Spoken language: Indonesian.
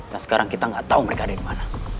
dan sekarang kita gak tau mereka ada di mana